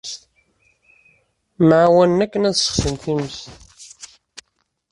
Mɛawanen akken ad ssexsin times.